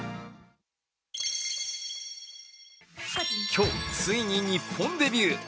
今日、ついに日本デビュー。